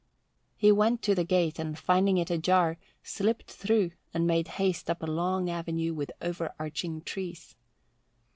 He went to the gate and finding it ajar slipped through and made haste up a long avenue with overarching trees.